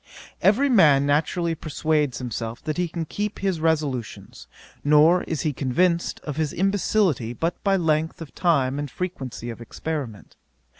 Every man naturally persuades himself that he can keep his resolutions, nor is he convinced of his imbecility but by length of time and frequency of experiment.